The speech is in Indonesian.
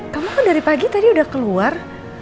kamu kan dari pagi tadi udah keluar